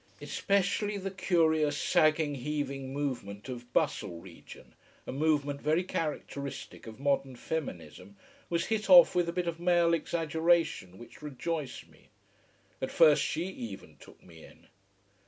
Especially the curious sagging heaving movement of "bustle" region, a movement very characteristic of modern feminism, was hit off with a bit of male exaggeration which rejoiced me. At first she even took me in.